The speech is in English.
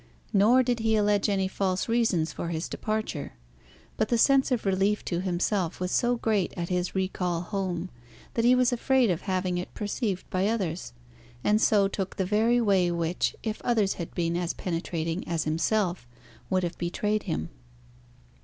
Nor did he allege any false reasons for his departure; but the sense of relief to himself was so great at his recall home, that he was afraid of having it perceived by others; and so took the very way which, if others had been as penetrating as himself, would have betrayed him.